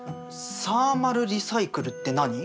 サーマルリサイクルって何？